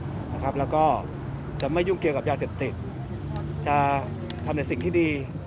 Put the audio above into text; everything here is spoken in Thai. แล้วก็จะไม่ยุ่งเกี่ยวกับยาเสพติดจะทำในสิ่งที่ดี